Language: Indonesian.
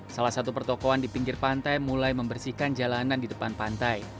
salah satu pertokohan di pinggir pantai mulai membersihkan jalanan di depan pantai